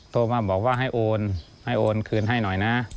โทรมาบอกว่าให้โอนให้โอนคืนให้หน่อยนะ